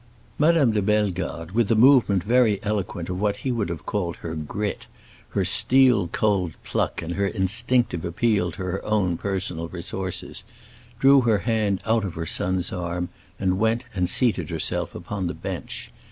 Madame de Bellegarde, with a movement very eloquent of what he would have called her "grit," her steel cold pluck and her instinctive appeal to her own personal resources, drew her hand out of her son's arm and went and seated herself upon the bench.